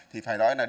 thì phải nói là đúng